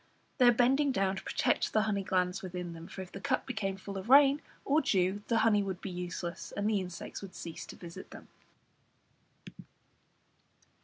They are bending down to protect the honey glands within them, for if the cup became full of rain or dew the honey would be useless, and the insects would cease to visit them.